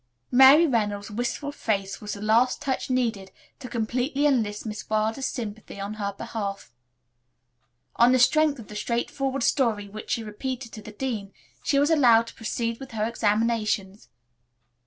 Mary Reynolds' wistful face was the last touch needed to completely enlist Miss Wilder's sympathy in her behalf. On the strength of the straightforward story which she repeated to the dean, she was allowed to proceed with her examinations.